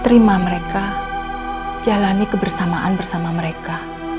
terima mereka jalani kebersamaan bersama mereka